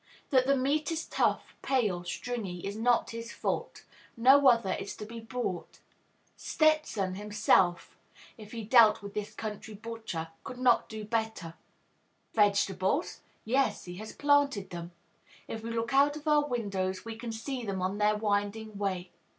That the meat is tough, pale, stringy is not his fault; no other is to be bought. Stetson, himself, if he dealt with this country butcher, could do no better. Vegetables? Yes, he has planted them. If we look out of our windows, we can see them on their winding way.